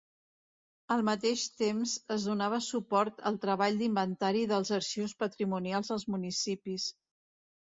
Al mateix temps, es donava suport al treball d'inventari dels arxius patrimonials dels municipis.